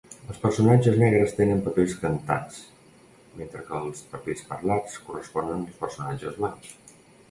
Els personatges negres tenen papers cantats, mentre que els papers parlats corresponen als personatges blancs.